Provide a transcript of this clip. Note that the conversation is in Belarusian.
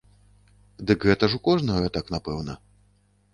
Дык гэта ж у кожнага так, напэўна?